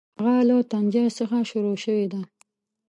هغه له طنجه څخه شروع شوې ده.